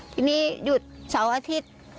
ทีนี้หยุดเสาร์อาทิตย์